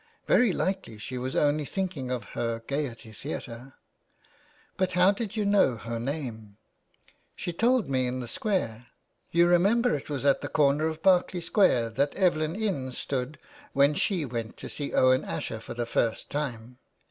Very likely she was only thinking of her Gaiety Theatre !"" But how did you know her name ?" 400 THE WAY BACK. " She told me in the Square. You remember it was at the corner of Berkeley Square that Evelyn Innes stood when she went to see Owen Asher for the first time.